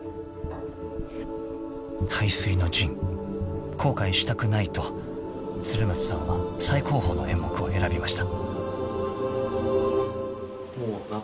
［背水の陣後悔したくないと鶴松さんは最高峰の演目を選びました］